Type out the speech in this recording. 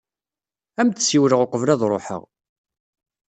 Ad am-d-siwleɣ uqbel ad ruḥeɣ.